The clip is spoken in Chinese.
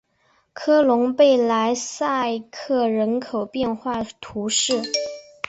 科隆贝莱塞克人口变化图示